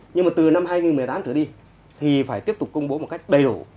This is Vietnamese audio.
nhưng mà từ năm hai nghìn một mươi tám trở đi thì phải tiếp tục công bố một cách đầy đủ